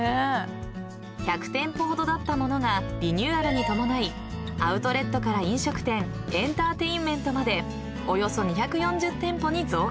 ［１００店舗ほどだったものがリニューアルに伴いアウトレットから飲食店エンターテインメントまでおよそ２４０店舗に増加］